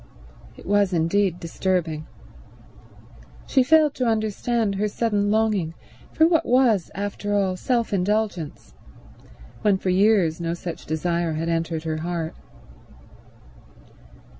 It was indeed disturbing. She failed to understand her sudden longing for what was, after all, self indulgence, when for years no such desire had entered her heart.